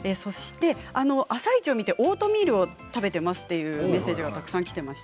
「あさイチ」を見てオートミールを食べているというメッセージもたくさんきています。